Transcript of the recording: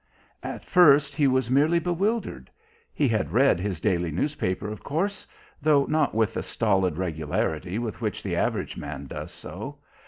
At first he was merely bewildered. He had read his daily newspaper, of course though not with the stolid regularity with which the average man does so.